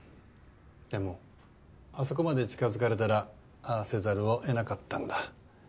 でもあそこまで近づかれたらああせざるをえなかったんだ。